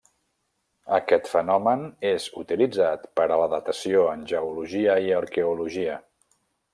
Aquest fenomen és utilitzat per a la datació en geologia i arqueologia.